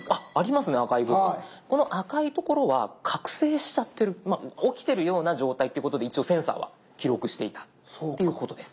この赤い所は覚醒しちゃってる起きてるような状態っていうことで一応センサーは記録していたっていうことです。